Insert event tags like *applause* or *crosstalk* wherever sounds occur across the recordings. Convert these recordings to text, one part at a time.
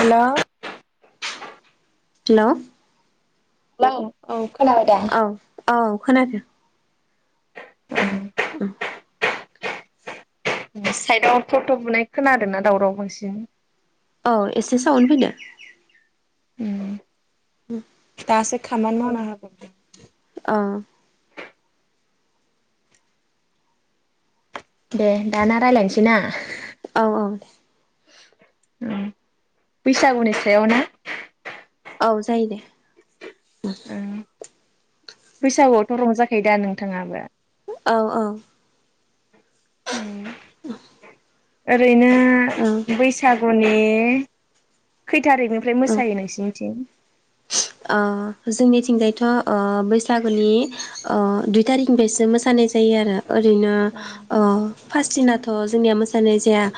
Hello hello hello औ खोनाबाय दा? औ औ खोनादो। *unintelligible* उम साइदाव थ' थ' बुनाय खोनादों ना दावराव बांसिन। औ एसे सावन फैदो। उम दासो खो खामानि मावना होबबदों। ओ दे दाना रायलायनोसै ना? औ औ दे। औ बैसागुनि सायाव ना? औ जायो दे *inaudible* बैसागुआवथ' रंजाखायो दा नोंथाङाबो औ औ उ औ ओरैनो बैसागुनि *unintelligible* खैथारिखनिफ्राय औ मोसायो नोंसिनिथिं ओ जोंनिथिंजायथ' बैसागुनि दुइ थारिखनिफ्रायसो मोसानाय जायो आरो ओरैनो औ ओ फार्स्ट दिनाथ' जोंनिया मोसानाय जाया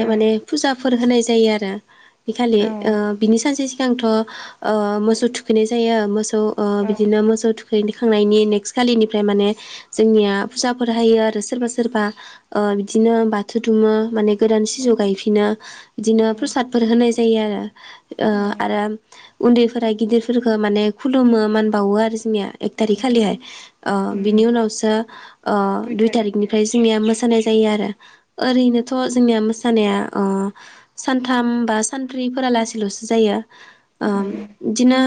औ माने फुजाफोर होनाय जायो आरो बे खालि बिनि सानसे सि जोंथ' मोसौ थुखैनाय जायो मोसौ स' औ बिदिनो मोसौ थुखैखांनायनि नेक्स्ट खालिनिफ्राय माने जोंनिया फुजाफोर हायो आरो सोरबा सोरबा बिदिनो बाथौ दुमो माने गोदान सिजौ गायफिनो बिदिनो प्रसादफोर होनाय जयो आरो आरो उन्दैफोरा गिदिरफोरखौ माने खुलुमो मान बावो आरो जोंनिया एक थारिक खालिहाय औ बिनि उनावसो दुइ थारिकनिफ्राय जोंनिया मोसानाय जायो आरो ओरैनोथ' जोंनिया मो सानाया सानथाम बा सानब्रैफोरा लासैल'सो जायो बिदिनो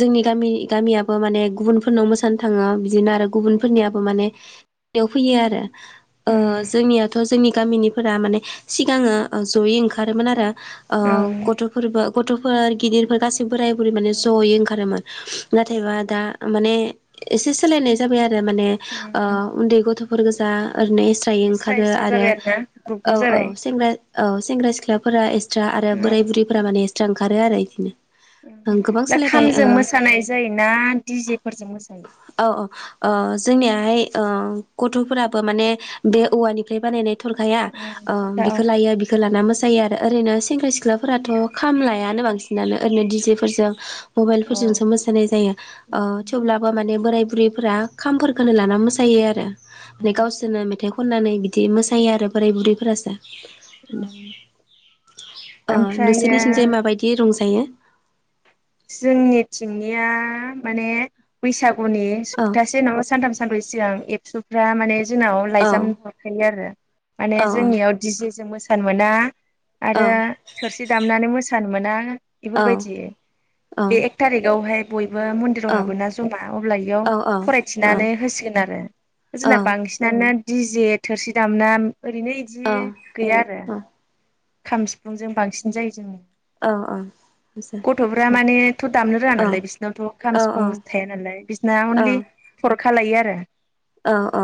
जोंनि गामि गामिया बो माने गुबुनफोरनाव मोसानो थाङो बिदिनो आरो उम गुबुनफोरनियाबो माने बेयाव फैयो आरो औ जोंनियाथ' जोंनि गामिनिफोरा माने सिगाङो जयै ओंखारोमोन आरो गथ'फोरबो गथ'फोर गिदिर बोगास बोराय बुरै माने जयै ओंखारोमोन नाथायबा दा माने एसे सोलायनाय जाबाय आरो जे माने ओ उन्दै गथ फोर गोजा ओरैनो स्रायै एस्रा ओंखारो एस्रा आरो जाबाय ना ग्रुप औ ग्रुप औ जाबाय सेंग्रा औ सेंग्रा सिख्लाफोरा एस स्रा आरो औ बोराय बुरैफोरा माने ओंखारो आरो इदिनो ओं गोबां दा सोलायबाय खामजों ओ मोसानाय जायोना दिजेफोरजों मोसायो औ औ ओ जोंनियाहाय ओ गथफोराबो माने बे औवानिफ्राय बानायनाय थरखाया ओ‌ थरखा औ बिखौ लायो बिखौ लाना मोस जायो आरो ओरैनो सेंग्रा सिख्लाफोराथ खाम लायानो बांसिनानो ओरैनो दिजेफोरजों औ मबाइलफोरजोंसो मोसानाय जायो ओ थेवब्ला बोराय बुरैफोरा खामफोर *unintelligible* मोसायो आरो नै गावसोर मेथाइ खननानै बिदि मोसायो आरो बोराय बुरैफोरासो ओ ओमफ्रायो नोंसोरनिथिंजाय माबायदि रंजायो? *inaudible* जोंनि थिंनिया माने बैसाग गुनि औ सप्तासे नङा सानथाम सानब्रै सिगां एबसु फ्रा‌ माने जोंनाव औ लाइजाम हरखायो आरो माने औ जोंनियाव दिजे जों मोसा सान मोना औ आरो थोरसि दामनानै मोसानो मोना औ बेफोरबायदि औ बे एक थारिकआवहाय मो मन्दिराव हाबोना जमा अब्ला इयाव औ औ फरायथिनानै होसिगोन आरो जोंना औ बांसिनानो जि जे थोरसि दामना ओरैनो औ इदि गैया आरो खाम सिफुंजों बांसिन जायो जोङो औ ओं गथ'फ माने थ' दामनो रोा नालाय औ बिसिोरनावथ' खाम सिफुं थाया नालाय बिसिोरना अनलि खालायो आरो औ औ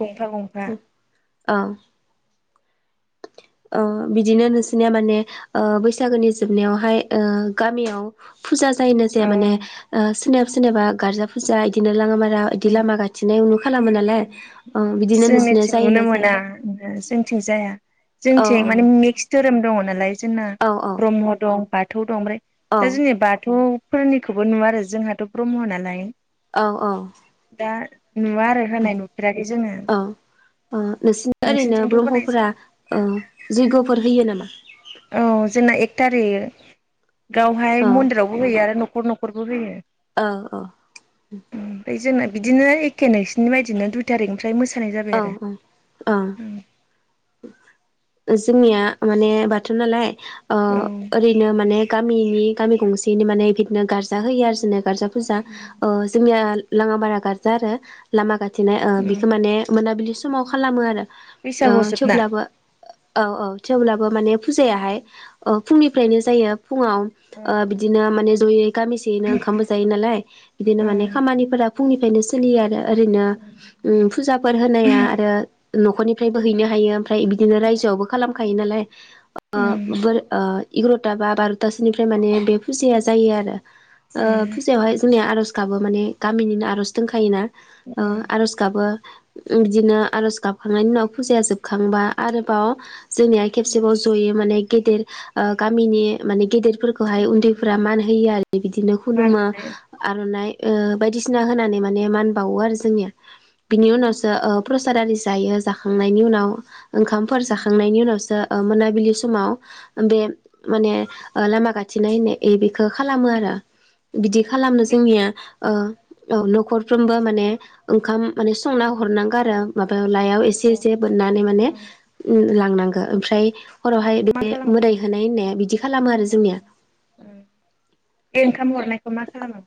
गंफा गंफा औ बिदिनो नोंसिनिया माने बैसागोनि जोबनायावहाय गामियाव फुजा जायोन जे अ माने सोरनिाबा सोरनिाबा गारजा फुजा बिदिनो लाङा आरो बिदि लामा गथिनाय उनु खालामो नालाय ओ बिदिनो जों नोंसिनिया मिथिं नुनो जायोना जाया मोना जोंथििं जाया औ जों माने मिक्स धोरोम दङ नालाय जोंना औ ब्रह्म दं दं ओमफ्राय औ दा जोंनि बाथौ फोरनिखौबो नुवा आरो जोंहाथ' ब्रह्म नालाय औ औ *unintelligible* नुफेराखै जोङो औ ओ नोंसोरनिया ओरैनो नोंसिनिथिंथ' होनाय ब्रह्मफोरा जायो ओ जैग'फोर होयो नामा थारि गावहाय औ मन्दिरावबो होयो आरो न न'खर न'खरबो होयो औ औ ओमफ्राय जोंना बिदिनो एखे नोंसनि बदि दुइ थारिख औ औ औ जोंनिया माने बाथरुम नालाय ओ औ ओरैनो माने गामिनि गामि गंसेनि माने बेदिनो गारजा होयो आरो जोंनो गारजा फुजा ओ जोंनिया *unintelligible* गारजा आरो लामा ग बिदिनो ओ बिखौ माने दा बिलि समाव खालामो आरो बैसागु ओ जोबना थेवब्लाबो औ औ थेवब्लाबो माने फुजायाहाय औ फुंनिफ्रायनो जायो फुङाव बिदिनो माने जयै गामिसेयैनो ओंखामबो जाय नालाय बिदिनो माने ओं खामानिफोरा फुंनिफ्रायनो सोलियो आरो ओरैनो उम फुजाब फोर होनाया आरो न'खरनिफ्रायबो हैनो हायो ओमफाय बिदिनो रायजोयावबो खालामखायो नालाय ओ ओं बोर ओ इग्र'टा बा बार'टासोनिफ्राय माने बे फुजाया जायो आरो ओ ए फुजायावहाय जोंनिया आर'ज गाबो माने गामिनिनो आर'ज दोंखायोना ओ ओं आर'ज गाबो उम बिदिनो आरज गाबखांनायनि उनाव फुजाया जोबखांबा आरोबाव जोंनिया खेबसेबाव ओं ज'यो माने गेदेर आ गामिनि माने गेदेर फोरखौहाय उन्दैफोरा मान होयो आरो *inaudible* बिदिनो मा खुलुमो होनो आर'नाइ ओ बायदिसिना होनानै माने मान बावो आरो जोंनिया बिनि उनावस प्रसाद आरि जायो जाखांनायनि उनाव ओंखामफोर जाखांनायनि उनावसो ओ मोनाबिलि समाव बे माने ओ लामा गाथेनाय होननाय ओइबे खो खालामो आरो बिदि खालामनो जोंनिया ओ औ न'खरफ्रोमबो माने ओंखाम माने संना ह हरनांगो आरो मा बा लाइयाव एसे-एसे बोननानै माने उम लांनांग ओ ओमफ्राय हरावहाय बेखौ मा बे खालामगोन मोदाय होनाय होननाया बिदि खालामो आरो जोंनिया खाम हरनायखौ मा खालामो?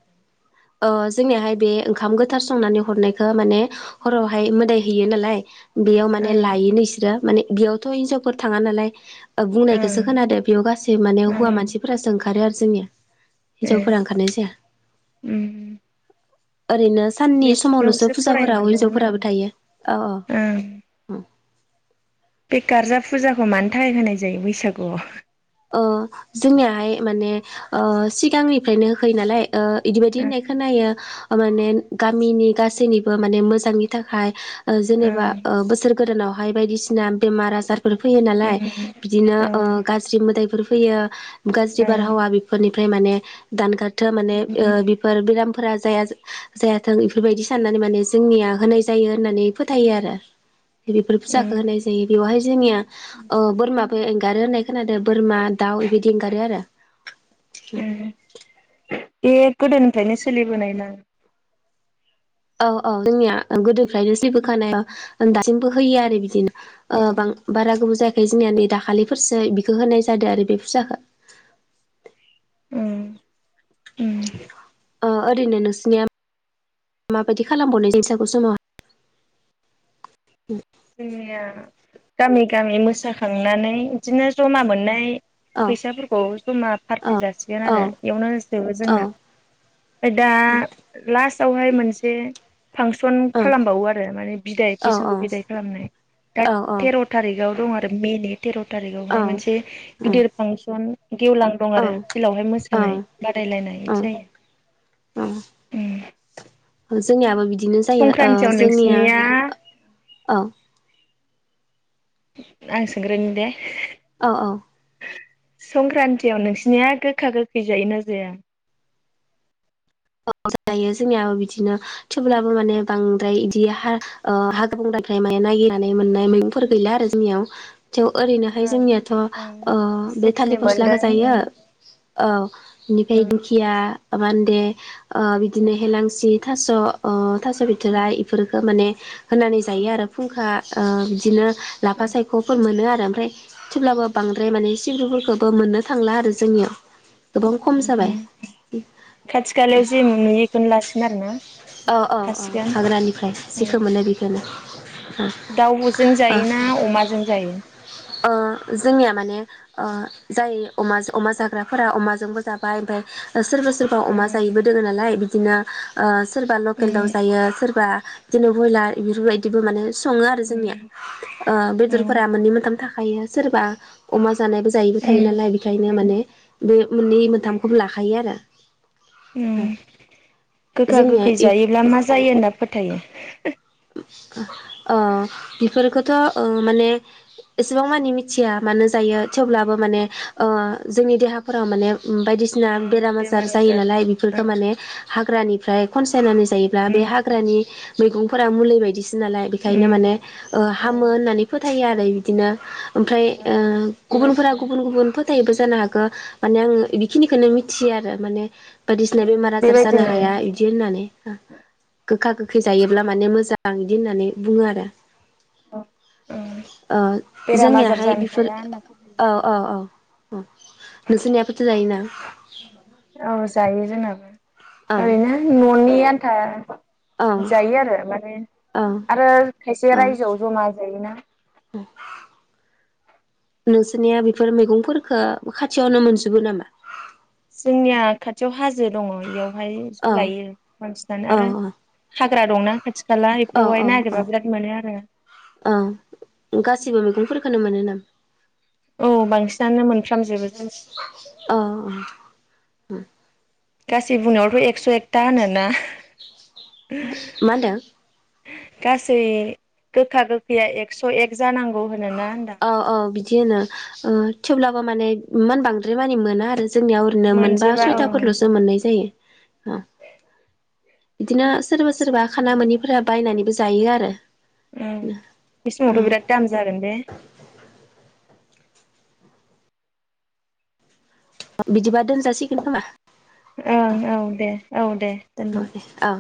अ जोंनियाहाय बे ओंखाम गोथार संनानै हरनायखो माने हरावहाय मोदाय होयो नालाय बेयाव माने ओं लायोनो इसोरो माने बेयावथ' हिनजावफोर थाङा नालाय ओ बुंनायखोसो ओं खोनादो बेयाव गासै माने हुवा ओं मानसिफोरासो ओंखारो आरो जोंनिया ए हिनजावफोरा ओंखारनाय जाया ओरैनो साननि समावल'सो नैथियावसो फरायनो फुजाफोराव मोनदोंमोन आं हिन्जावफोराबो थायो ओं औ-औ बे गार्जा फुजाखौ मानि थाखाय होनाय जायो बैसागुआव अ जोंनियाहाय माने ओ सिगांनिफ्रायनो होखायो नालाय ओ इदिबायदि होननाय खोनायो माने गामिनि गासैनिबो माने मोजांनि थाखाय ओ जेनेबा ओं ओ बोसोर गोदानावहाय बायदिसिना बेमार आजार फोर फैयो नालाय बिदिनो ओं ओ गाज दायफोर फैयो। गाज्रि औ बारहावा बेफोरनि ओमफ्राय माने दानगा माने ओं बेफोर बेरामफोरा जायाथों बेफोरबायदि साननानै माने जोंनिया होनाय जायो होननानै फोथायो आरो बेफोर फुजाखौ ओं होनाय जायो बेवहाय जोंनिया बोरमाबो आरो खोनादों बोरमा दाउ बेबायदि एंगारो आरो ए गोदोनिफ्रायनो सोलिबोनाय ना। औ औ जोंनिया गोद ओमफ्रायनो जेबो खानाया ओम दास जोंबो होयो आरो बिदिनो। उम बारा गोबाव जायाखै। बेखाय जोंनिया नै दाखालिफोरसो बिखौ होनाय जादों आरो बे फुजाखो। ओम ओम। आं ओरैनो नोसिनिया माबायदि खालामबावनाय जायो बैसागु समावहाय? ओम जोंनिया गामि गामि मोसाखांनानै बिदिनो जमा मोननाय औ फैसाफोरखौ जमा फारटि जासिगोन औ आरो एवनो होजोबो औ जोंना ओमफ्राय दा औ लास्टावहाय मोनसे फांसन औ खालामबावो आरो माने बिदाय औ बैसागु बिदाय । खालामनाय दा औ औ थेर' थारिखाव दं आरो मेलिफ तेर' थारिकावहाय औ मोनसे उम गिदिर फांसन गेवलां दं औ आरो फिल्डआवहाय औ मोसानाय बादायलायनाय बिदि जायो। जोंनियाबो बिद बिदिनो जायो संक्रान्तियाव जोंनिया नोंसिनिया औ। आं सोंग्रोनि दे। औ औ। संक्रान्तियाव नोंसिनिया गोखा गोखै जायोना जाया? अ जायो जोंनियाबो बिदिनो थेवब्लाबो माने बांद्राय बिदि ओ ह हाग्रा बंग्रानिफ्राय माने नायागिरनानै मोननाय मैगंफोर गैला आरो जोंनियाव। थेव ओरैनोहाय ओं जोंनियाथ ओं ओ' बे जिखिनि थालिर मोनदों फस्लाखौजायो औ बेनिफ्राय ओं दुखिया बाबानि दे। ओ बिदिनो हेेलांसि थास' अह थास' बिथोराइ इफोरफोरखौ माने होननानै जायो आरो फुंखा ओ बिदिनो लाफा सायख'फोर मोनो आरो रो ओमफ्राय थेब्लाबो बांद्राय माने सिब्रुफोरखौबो मोननो थांला आरो जोंनियाव गोबां खम जाबाय उम थालाय जिम नुयैखौनो लासिगोन आरो ना। औ औ औ खासिगोन हाग्रानिफ्राय जेखो मोनो बेखो *unintelligible* दाउजों जायोना अमाजों जायो? ओ जोंनिया माने ओ जाय अमा जो अमा जाग्राफोरा अमाजोंबो जाबाय ओमफाय ओ सोरबा सोरबा अमा उम जायैबो दोङो नालाय बिदिनो ओ सोरबा लकेल दाउ उम जायो। सोरबा बिदिनो बयलार बेफोरबायदिबो माने सङो आरो जोंनिया ओ बेदरफोरा मोननै मोनथाम थाख खायो सोरबा अमा जानायबो जायिबो थायो उम नालाय बेखायनो माने बे मोननै मोनथामखौबो लाखायो आरो उम ओ गोखा गोखै जायोब्ला मा जायो होनना फोथायो? ओ बेफोरखो था ओ माने एसेबां मानि मिथिया मानो जायो थेवब्लाबो माने ओ जोंनि देहाफोराव माने उम बायदिसिना उम बेराम आजार बेमार जायो नालाय बेफोरखौ ओं माने हा फ्रानिफ्राय खन सायनानै जायोब्ला बे उम हाग्रानि मैगं फोरा मुलि बायदिस नालाय बेखायनो उम माने ओ हामो होननानै फोथायो आर जायो बिदिनो ओमफ्राय औ ओ गुबुनफोरा बेबायदिनो गुबुन गुबुनफोर थायबो जानो हागो। माने आं बेखिनिखौनो मिथियो आरो माने बायदिसिना उम बेमार आजार जानो बेबायदिनो हाया बिदि होननानै आ गोखा गोखै जायो। अब्ला माने मोजां बिदि होननानै बुङो आरो। औ औ ओ बेराम आजार जोंनियाहाय जानो बेफोर हाया होनना औ फोथायो औ औ औ नोंसिनिया फोथो जायोना? *unintelligible* औ जायो जोंनाबो औ ओरैनो न'नि आन्था औ जायो आरो माने औ आरो खायसे औ रायजोआव जमा जायोना। नोंसोरनिया बेफोर मैगंफोरखो खाथियावनो मोनजोबो नामा? जोंनिया खाथियाव हाज जे दङ इयाव हायेस औ लायो बांसिनानो औ आरो फोरा दंना। आथि खाला औ इफोरावहाय औ औ नागिरबा बिराद मोनो आरो। फोरखौनो मोनो नामा औ बांसिनानो मोनफ्रामजोबो जोंनिथिं। उम। गासै बुंनायावथ' एकस' एकथा होनोना। मा होनदों। गासै गोखा गोखैया एकस' एक जानांगौ। होनोना होनदां औ औ बिदि होनो ओ थेवब्ला बो माने इमान बांद्राय मानि मोना आरो जोंनियाव ओरैनो मोनबा मोनजोबा औ सयथाफोरल'सो मोननाय जायो। ओ। बिदिनो सोरबा सोरबा थिखिनि खाना मोनिफोरा मोना बायनानैबो जायो आरो ओं बे औ। समावथ' बिराद दाम जागोन बे बिदिबा दोन दसिगोन खोमा। ओं औ दे औ दे औ दोनदो। दे औ